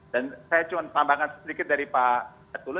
dan saya cuma tambahkan sedikit dari pak atul